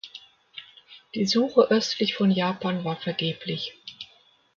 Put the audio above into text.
Die Suche östlich von Japan war vergeblich.